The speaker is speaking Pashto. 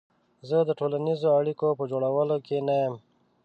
زه د ټولنیزو اړیکو په جوړولو کې نه یم.